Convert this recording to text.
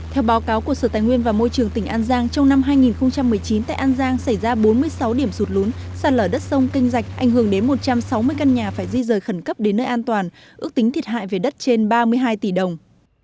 theo báo cáo của sở tài nguyên và môi trường tỉnh an giang trong năm hai nghìn một mươi chín tại an giang xảy ra bốn mươi sáu điểm sụt lún sạt lở đất sông kinh dạch ảnh hưởng đến một trăm sáu mươi căn nhà phải di rời khẩn cấp đến nơi an toàn ước tính thiệt hại về đất trên ba mươi hai tỷ đồng